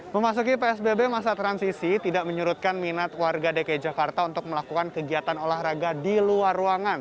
memasuki psbb masa transisi tidak menyurutkan minat warga dki jakarta untuk melakukan kegiatan olahraga di luar ruangan